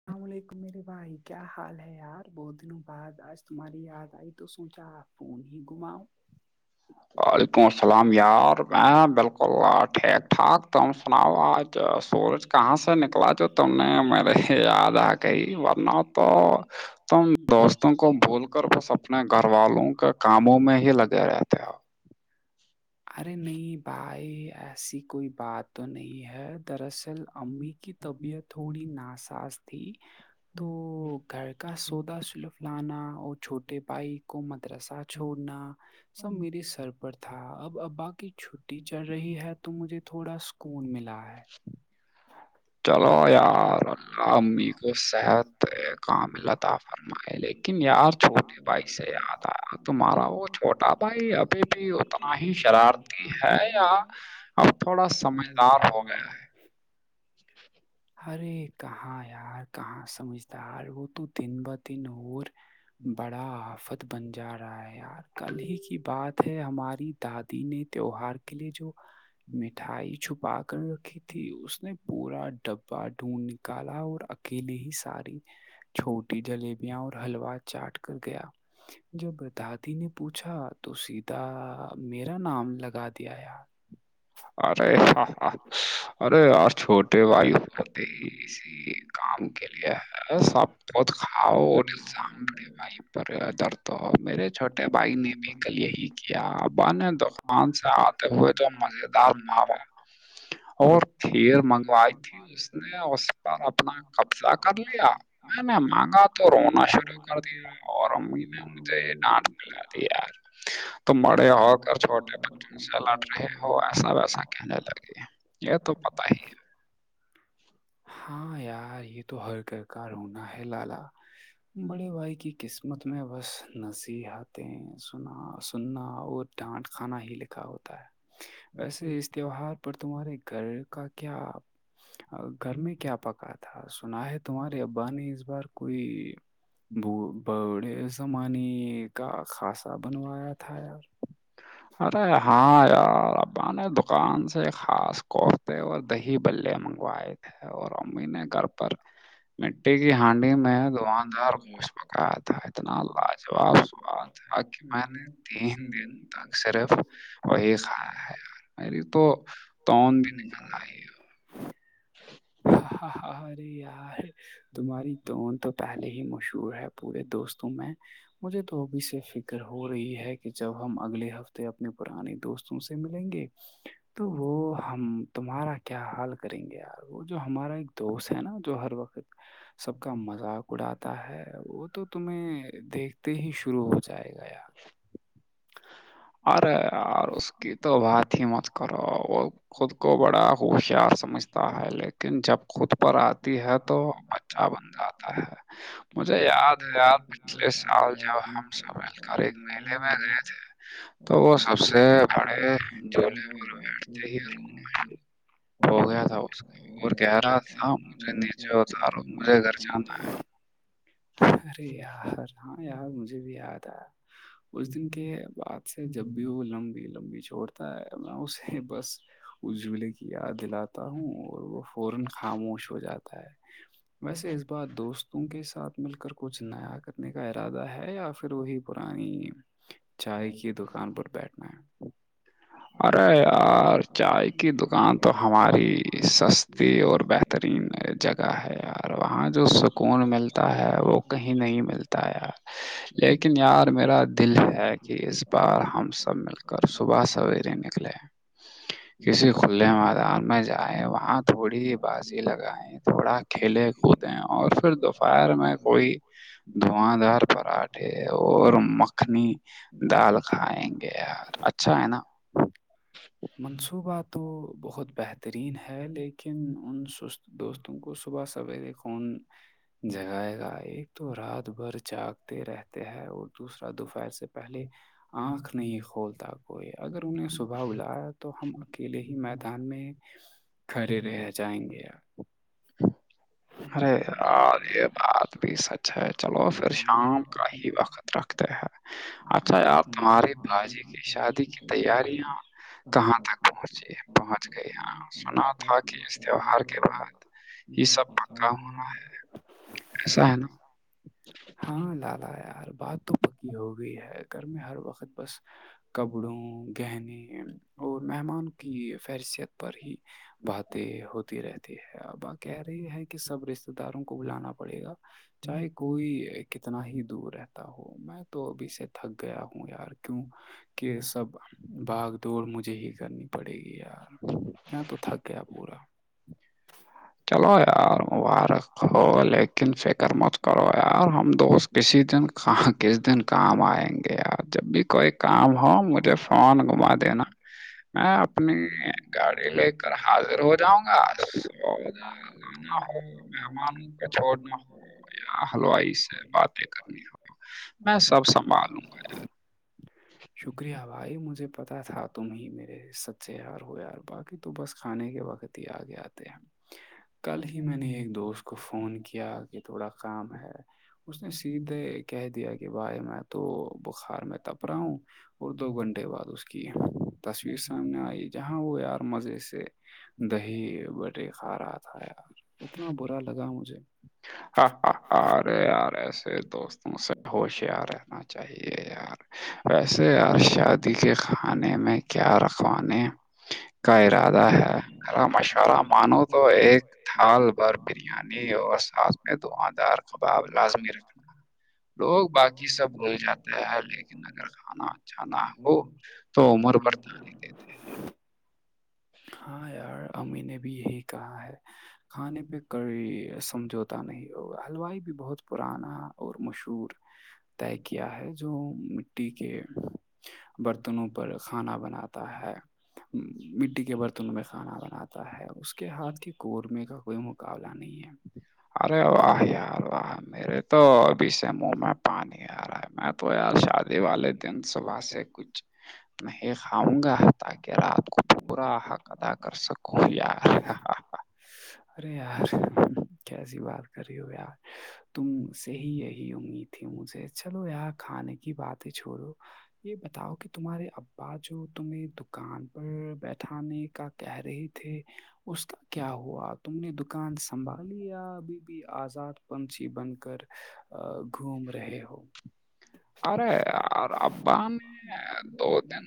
السلام علیکم میرے بھائی کیا حال ہے یار بہت دنوں بعد آج تمہاری یاد آئی تو سوچا آپ پون ہی گھماؤ وعلیکم السلام یار میں بالکل ٹھیک ٹھاک تم اپناؤ آج سورج کہاں سے نکلا جو تم نے میرے یاد آ کہئی ورنہ تو تم دوستوں کو بول کر وہ سب اپنے گھر والوں کے کاموں میں ہی لگے رہتے ہو ارے نہیں بھائی ایسی کوئی بات تو نہیں ہے دراصل امی کی طبیعت تھوڑی ناساس تھی تو گھر کا سودا سلف لانا اور چھوٹے بھائی کو مدرسہ چھوڑنا سب میرے سر پر تھا اب ابا کی چھٹی چل رہی ہے تو مجھے تھوڑا سکون ملا ہے چلو یار اللہ امی کو صحت کام اللہطاف فم لیکن یار چھوٹے بھائی سے یاد آیا تمہارا وہ چھوٹا بھائی ابھی بھی ہوتا ہی شرارتی ہے یا اب تھوڑا سمجدار ہو گیا ہے [inaudible] ہرے کہاں یار کہاں سمجھدار وہ تو دن بہ دن اور بڑا آفت بن جا رہا ہے یار کل ہی کی بات ہے ہماری دادی نے تیوہار کے لیے جو مٹھائی پاکن رکھی تھی اس نے پورا ڈبا ڈھونڈ نکالا اور اکیلے ہی ساری چھوٹی جلیبی اور حلوا چاٹ کر گیا جب دادی نے پوچھا تو سھدا میرا نام لگا دیا ارے ارے آ چھوٹی وی ہوتے ہیی کام کے لیے ہے س آپ بہت [unintelligible] یار کاؤزامے بھائی پر در تو ہو میرے چھوٹے بھائی نے بھی کل یہی کیا [unintelligible] کیابان دکان سے آتے ہوئے تو مز [inaudible] میں تھا کھیر انے منگوائی تھی اس نے اس کا پر اپنا کپہ کرنا ڈاتتا [unintelligible] مہنگا تو رونا شروع کر دیا اور اورم امی مہینے مجھے یہ ڈانٹ نام ملا دی یار تو مڑے ہو کر چھوٹے بچوں سے لڑ رہے ہو پیسا ویسا کہنے لگے یہ تو پتا ہی ہے [unintelligible] ہاں یار یہ تو ہر گھر کا رونا ہے لالا بڑے بھائی کی قسمت میں بس نصیحاتیں سنا سننا اور ڈانٹ کھانا ہی لکھا ہوتا ہے ویسے اس تہوار پر تمہارے گھر کا کیا گھر میں کیا پکا تھا سنا ہے تمہارے ابا نے اس بار کوئی بڑے زمانے کا خاصا بنوایا تھا یار [inaudible] ارے ہاں یار ابان دکان سے خاص کوورتے اور [unintelligible] دہی بلے منگوائے تھے اور امی نے گھر پر مٹی کی ہانڈی میں دواں دار گوشت پکایا تھا اتنا لاجواب سواد [unintelligible] آکے متی ت صرف وہی کھایا ہےی میری تو توون بھی نکل رہا یار ج [unintelligible] ارے یار تمہاری توون تو پہلے ہی مشہور ہے پورے دوستوں میں مجھے تو اب سے فکر کر ہو رہی ہے کہ جب ہم اگلے ہفتے اپنے پرانے دوستوں سے ملیں گے تو وہ ہم تمہارا کیا حال کریں گے یار وہ جو ہمارا ایک تو اس ہے نا جو ہر وقت سب کا مذاق اڑاتا ہے وہ تو تمہیں دیکھتے ہی شروع ہو جائے گا ارے یار اس کی تو بات ہی مت کرو وہ خود کو بڑا ہوشیار سمجھ ہوتا ہے لیکن جب خود پر آتی ہے تو بچہ بن یار جاتا ہے [unintelligible] مجھے یاد ہے ار پچھلے سال جب ہم سب مل کر ایک میلے میں گئے تھے تو وہ سب س سے بڑے سر جو کڈا لیتے ہی لگ [unintelligible] ہو گیا تھا اس وہک کا اور کہہ رہا تھا ہوتا مجھے نیچے اتارو مجھے [unintelligible] گھر جانا ہے [inaudible] ارے یار ہاں یار مجھے بھی یاد آ اس دن کے بعد [unintelligible] جب بھی وہ لمبی لمبی چھوڑتا ہے میں اسے بس اس جملے کی یاد دلاتا وں اور وہ فوراخاموش ہو جاتا ہے ویسے اس بات دوستوں کے ساتھ مل کر کچھ نیا کرنے کا ارادہ ہے یا پھر وہی پرانی چاہ کی دکان پر بیٹھنا ہے ارے یار چائے کی دکان تو ہماری سستی اور بہتر ترین جگہ ہے یار وہاں جو سکون ملتا ہے وہ کہیں نہیں ملتا یار لیکن یار میرا دل ہے کہ اس بار ہم سب مل کر صبح سویر نکلے [unintelligible] کسی کھے میدان میں جائیں وہاں تھوڑی ہے بازی لگائےیں تھوڑا کھیلے کوتے ہیں اور پھر دوپہر میں کوئی دھاں دار پراٹ [unintelligible] اور مکھنی دال کھائیں گے یار اچھا ہے نا منصوبہ تو بہت بہترین ہے لیکن ان سست دوستوں کو صبح سویرے کون جگائے گا ایک تو رات بھر جاگتے رہتے ہیں اور دوسرا دوپہر سے پہلے آنکھ نہیں کھولتا ہو اگر انہیں صبح الایا تو ہم اکیلے ہی میدان میں کھڑے رہ جائیں گے آپ ارے یار یہ بات بھی سچ ہے چلو پھر شام کا ہی وقت رکھتے ہیں اچھا یار تمہاراری باجی کی شادی کی تیاریاں کہاں تک پہنچی پہنچ گئی ہاں سنا تھا کہ اس [unintelligible] [unintelligible] کام ہونا ہے ایسا ہے نا تالا یار بات تو پکی ہو گئی ہے گھر میں ہر وقت بس نا کپڑوں گہنے اور مہمان کی فہرثیت پر ہی باتیں ہوتی رہتی ہے اب آ کہہ رہی ہیں کہ سب رشتے دار کو بلانا پڑے گا چاہے کوئی کتنا ہی دور رہتا ہو میں تو ابھی سے تھک گیا ہوں یار کیوں کہ سب بھاگ دوڑ مجھے ہی کرنی پڑے گی یار میں تو تھک گیا پورا چلو یار مبارک ہو لیکن فکر مت کرو یار ہم دوست کسی دن کہاں کس دن دوسری کام آئیں گے پ جب بھی کوئی کام ہو مجھے فان گھما مال دینا جمع کر میں اپنی گاڑی لے کر حاضر ہو جاؤں گا انا ہو مہمانوں کو پر چھوڑنا پڑنا ہو یا حلوائی سے باتیں کرنی میں سب سنبھال شکریہ بھائی مجھے پتا تھا تم ہی میرے سچ سے یار ہو یار باقی تو بس کھانے کے وقت ہی آگے آتے ہیں ہم [unintelligible] کل ہی میں نے ایک دوست کو فون کیا کہ تھوڑا کام ہے اس نے سیدھے کہہ دیا کہ بھائی میں تو بخار میں تپ رہا ہوں اور دو گھنٹے بعد اس کی تصویر سامنے آئی جہاں وہ یار مزے سے دہی ب ے کھا رہا تھا یار اتنا برا لگا مجھے ہاں ہاں ارے یار ایسے دوستوں سے ہوش یار رہنا چاہیے یار ویسے ار شادی کے کھانے میں کیا رکھوانے کا ارادہ ہے ا مشورہ مانو تو ایک تھال اور بریانی اور سس دعاں دار کباب لازمی رکھنا تو لوگ باقی سب بھول جاتے ہے لیکن اگر کھانا اھانا ہو تو عمر بڑھتا ہے ہاں یار امی نے بھی یہی کہا ہے کھانے پہ دیتے کی سمجھو پت نہیں ہوگا ہلوائی بھی بہت پرانا اور مشہور طے کیا ہے جو مٹی کے برتنوں پر کھانا بناتا ہے مٹی کے برتنوں میں کھانا بناتا ہے اس کے اس کے ہاتھ کے قورمے ہیں۔ کا کوئی مقابلہ نہیں ہے ارے واہ یار واہ میررے تو اور ابھی سے اسے منہ میں پانی نہیں آ رہا ہے م تو یار شادی والے دن صبح سے کچھ نہیں کھاؤں گا تاکہ رات کو پورا حق کدا کر سکوں یار ارے یار کیسی بات کر رہی ہو یار تم سے ہی یہی امید تھی مجھے چلو ار کھانے کی باتیں چھوڑو یہ بتاؤ کہ تمہارے ابا جو تمہیں دکان پر بیٹھانے کا کہہ رہے تھے اس کا کیا ہوا تم نے دکان سنبھال لیا ابھی آزاد پنچھی بن کر گھوم رہے ہو ارے اور ابب دو دن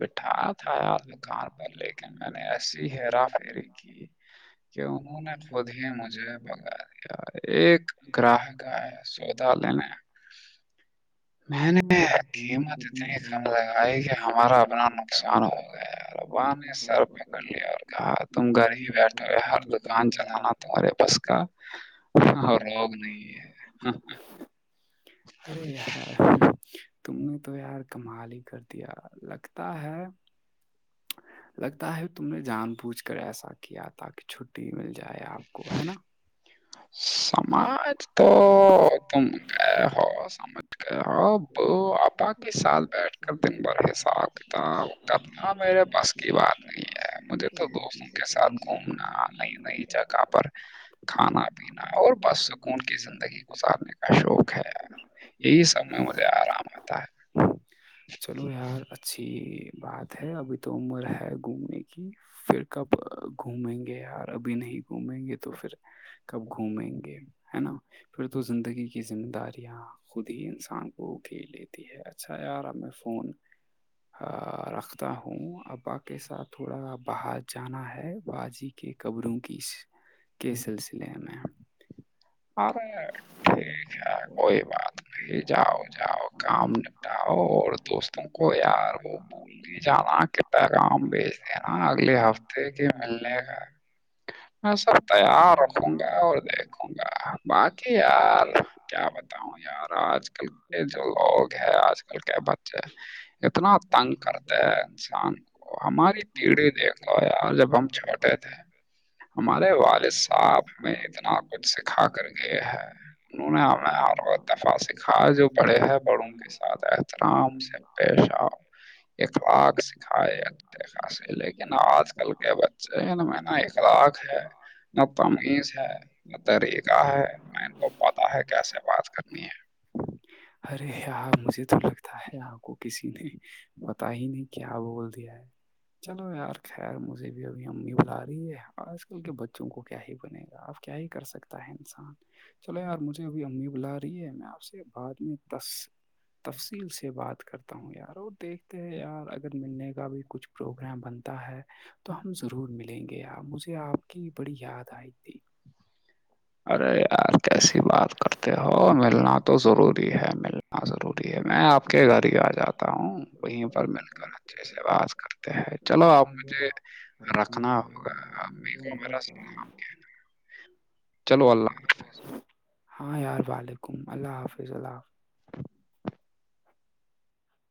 بٹھایا تھا یار میں کار پہ لے کے میں نے ایسی ہے را فری نا خھجے ہی مج مجھے بے بغیر ایک گراہک آئے پودا سودا لینے میں ہ قیمت تتما اتنی گ کم آ لگائی کہ ہمارا اپنا نقصان ہو گیا اور ابا نے اناپ خرا سر پک پکڑ ل لیا اور کہا تم گھر ہی ر بیٹھے ہوئے ج ہر دکان خانتا منا چلانا مارا تمہارے بس سبت ہے کا اور لوگ [unintelligible] ارے یار تم نے تو یار کمال ہی کر دیا لگتا ہے لگتا ہے تم نے جان بوچھ کر ایسا کیا تھا کہ کہ چھٹی مل جائے آپ کو ہے نا سماج تو تم کہ ہو سمج گ ہو ب آب کے ساتھ بیٹھ کر دن بھرسابتا ہ میرے پاس کی بات نہیں ہے مجھے تو دوستوں کے ساتھ گھومنا نئی نئی جگہ پر کھانا اور بس سکون کی زندگی گزارنے کا شوق ہے یہی سب میں مجھے نا آرام آتا ہے چلو یار اچھی بات ہے ابھی تو عمر ہے گھومنے کی پھر کب گھومیں گے یار ابھی نہیں گھومیں گے تو پھر کب گھومیں گے ہے نا پھر تو زندگی کی ذمہ داریاں خود ہی انسان کوکھیل لیتی ہے اچھا یار ہمیں فون رکھتا ہوں ابا کے ساتھ تھوڑا باہر جانا ہے بازی کی قبروں کی کے سلسلے میں آ رہے ٹھیک ہے ٹھ کوئی بات نہیں جاؤ جاؤ کام نپٹاؤ اور دوستوں یاد کو یار وہ بھول نہیں جانا کہ گؤ کہ ملنے گ میں سب تیار روں گا اور دیکھ ہ باقی یار کیا بتاؤ یار آج کل کے جو لوگ ہے آج کل کیا ب اتنا تنگ کرتے ہے انسان ہماری یڑھی دیکھ لو یار جب ہم چھوٹے تھے ہمارے والد صاحب ہمیں اتنا کچھ سکھا خ کر گئے ہیں گانے انہوں نے ہمیں اور دفع سکھا ہے جو بڑے ہیں بڑوں کے ساتھ احترام سے پیش آؤ اخلاق سکھائے خاص لیکن آج کل کے بچے میں نا اخلاق ہے نہ تمیز ہے نہ طریقہ ہے میں ان کو پتاہ ہے کیسے بات کرنی ہے ارے یار مجھے تو لگتا ہے آپ کو کسی نے پتا ہی نہیں کیا بول دیا ہے چلو یار خیر مجھے بھی ابھی امی بلا رہی ہے آج کل کے بچوں کو کیا ہی بنے گا آپ کیا ہی کر سکتا ہے انسان چلو یار مجھے ابھی امی بلا رہی ہے میں آپ سے بعد میں تفصیل سے بات کرتے تا ہوں یار وہ دیکھتے یار اگر ملنے کا بھی کچھ پروگرام بنتا ہے تو ہم ضرور ملیں گے پ مجھے آپ کی بڑی یاد آئی تھی ارے یار کیسی بات کرتے ہو ملنا تو ضروری ہے مل ہاں ضروری ہے میں آپ کے گھر ہی آ جاتا ہوں وہیں پر مل کر اچھے سے باز کر چلو آپ مجھے رکھنا ہوگا آپ میک مجھے میرا وغیرہ سلام ہاں یار وعلیکم اللہ حافظ اللام